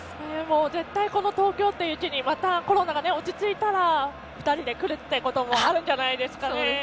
絶対、東京という地にまたコロナが落ち着いたら２人で来るってこともあるんじゃないですかね。